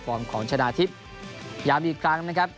ความของชนะทิพย์ยามอีกครั้งนะครับ